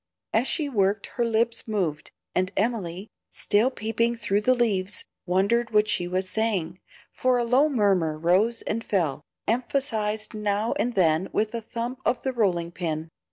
As she worked her lips moved, and Emily, still peeping through the leaves, wondered what she was saying, for a low murmur rose and fell, emphasized now and then with a thump of the rolling pin.